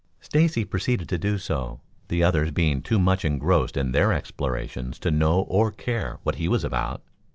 Stacy proceeded to do so, the others being too much engrossed in their explorations to know or care what he was about.